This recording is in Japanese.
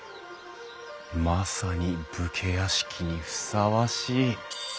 まさに武家屋敷にふさわしい。